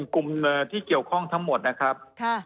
กลุ่มที่เกี่ยวข้องทั้งหมดนะครับ